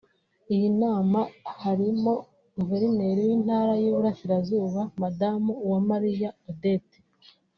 Iyi nama harimo Guverineri w’Intara y’Iburasirazuba Madamu Uwamariya Odette